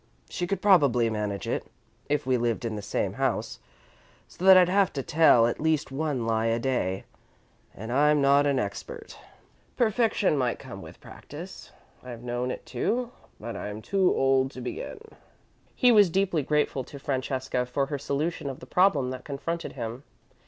She could probably manage it, if we lived in the same house, so that I'd have to tell at least one lie a day, and I'm not an expert. Perfection might come with practice I've known it to but I'm too old to begin." He was deeply grateful to Francesca for her solution of the problem that confronted him.